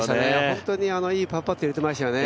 本当にいいパーパット入れてましたよね。